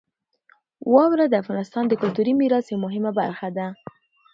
واوره د افغانستان د کلتوري میراث یوه مهمه برخه ده.